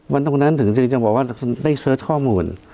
บรรเด๗๔เพื่อเสิร์ชข้อมูล